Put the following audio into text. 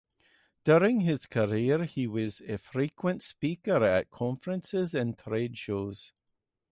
During his career, he was a frequent speaker at conferences and trade shows.